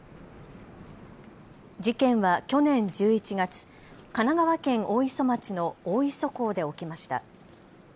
事件は去年１１月、神奈川県大磯町の大磯港で起きました。